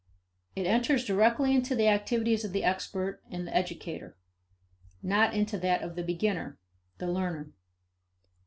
It enters directly into the activities of the expert and the educator, not into that of the beginner, the learner.